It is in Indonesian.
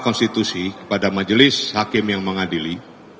konstitusi kepada majelis hakim yang mengadili